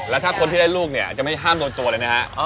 แล้วถ้าคนที่ได้ลูกเนี่ยจะไม่ห้ามโดนตัวเลยนะฮะ